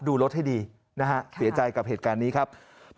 ดูรถให้ดีนะฮะเสียใจกับเหตุการณ์นี้ครับ